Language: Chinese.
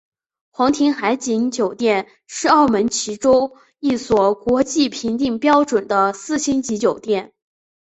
皇庭海景酒店是澳门其中一所国际标准评定的四星级酒店。